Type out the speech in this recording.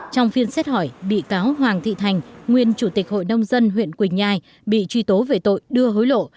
trong phiên xét hỏi bị cáo hoàng thị thành nguyên chủ tịch hội nông dân huyện quỳnh nhai bị truy tố về tội đưa hối lộ